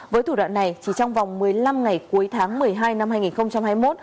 với thủ đoạn này chỉ trong vòng một mươi năm ngày cuối tháng một mươi hai năm hai nghìn hai mươi một